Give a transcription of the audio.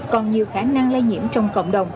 còn nhiều khả năng lây nhiễm trong cộng đồng